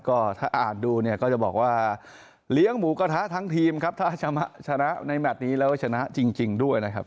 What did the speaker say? ก็ถ้าอ่านดูเนี่ยก็จะบอกว่าเลี้ยงหมูกระทะทั้งทีมครับถ้าชนะในแมทนี้แล้วชนะจริงด้วยนะครับ